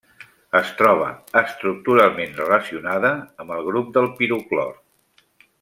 Es troba estructuralment relacionada amb el grup del piroclor.